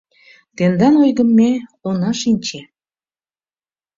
Тендан ойгым ме она шинче.